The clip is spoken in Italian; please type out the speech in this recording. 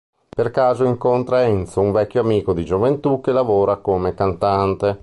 Per caso incontra Enzo un vecchio amico di gioventù che lavora come cantante.